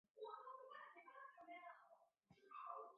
结果由同属自由党的杨哲安胜出。